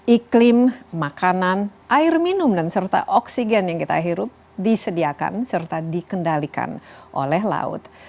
iklim makanan air minum dan serta oksigen yang kita hirup disediakan serta dikendalikan oleh laut